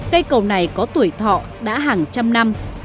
cây cầu này có tuổi thọ đã hàng trăm năm